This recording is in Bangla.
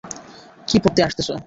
কি পড়তে আসতেছো?